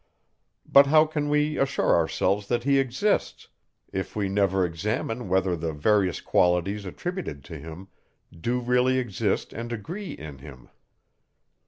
But, how can we assure ourselves, that he exists, if we never examine whether the various qualities, attributed to him, do really exist and agree in him?